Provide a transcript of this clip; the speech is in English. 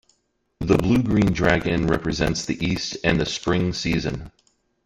The Bluegreen Dragon represents the east and the spring season.